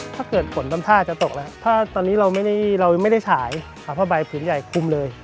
ถ้าเกิดฝนทำท่าจะตกแล้วถ้าตอนนี้เราไม่ได้ฉายผ้าใบผืนใหญ่คุมเลย